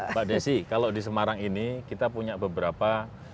mbak desi kalau di semarang ini kita punya beberapa